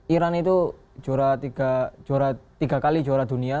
iran itu tiga kali juara dunia